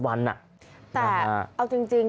แต่เอาจริง